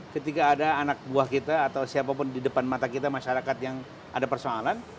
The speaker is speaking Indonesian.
ketika ada anak buah kita atau siapapun di depan mata kita masyarakat yang ada persoalan